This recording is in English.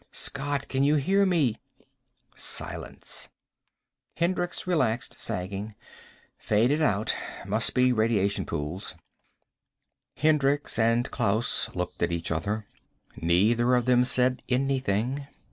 "Scott! Can you hear me?" Silence. Hendricks relaxed, sagging. "Faded out. Must be radiation pools." Hendricks and Klaus looked at each other. Neither of them said anything.